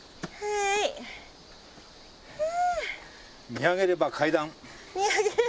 見上げれば階段。